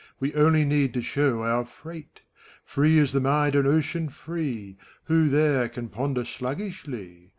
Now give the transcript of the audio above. We only need to show our freight. Free is the mind on Ocean free; Who there can ponder sluggishly?